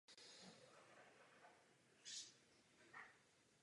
Německé velení reagovalo stejně.